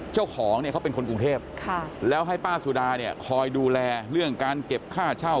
เจ้าของเนี่ยเขาเป็นคนกรุงเทพแล้วให้ป้าสุดาเนี่ยคอยดูแลเรื่องการเก็บค่าเช่า